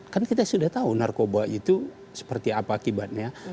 kan kita sudah tahu narkoba itu seperti apa akibatnya